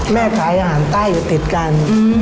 แม่ขายอาหารใต้อยู่ติดกัน